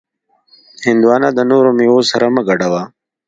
هندوانه د نورو میوو سره مه ګډوه.